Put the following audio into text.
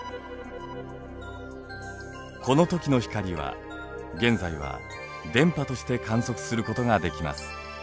このときの光は現在は電波として観測することができます。